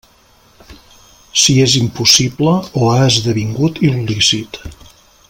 Si és impossible o ha esdevingut il·lícit.